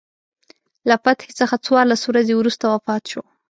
له فتحې څخه څوارلس ورځې وروسته وفات شو.